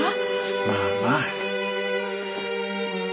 まあまあ。